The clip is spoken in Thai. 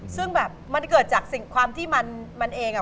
ซึ่งแบบมันเกิดจากสิ่งความที่มันเองอ่ะ